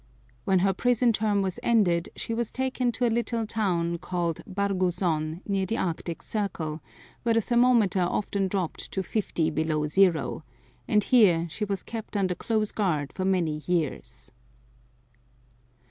When her prison term was ended she was taken to a little town called Barguzon near the Arctic Circle, where the thermometer often dropped to fifty below zero, and here she was kept under close guard for many years.